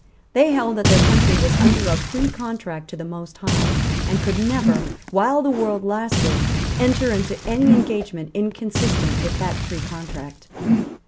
They held that their country was under a precontract to the Most High, and could never, while the world lasted, enter into any engagement inconsistent with that precontract.